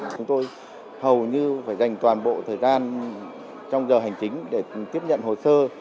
chúng tôi hầu như phải dành toàn bộ thời gian trong giờ hành chính để tiếp nhận hồ sơ